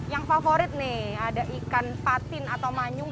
yang favorit nih ada ikan patin atau manyung